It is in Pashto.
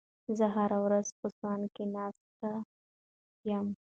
زه هره ورځ په سونا کې نه ناست یم.